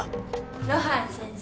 露伴先生。